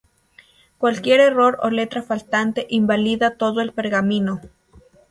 Cualquier error o letra faltante invalida todo el pergamino.